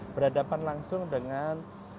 berhadapan langsung dengan